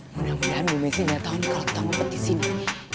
mudah mudahan bu mesit gak tau kalo kita ngumpet disini